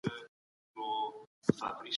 نکاح بايد دائمي يا موقتي حرمت ونلري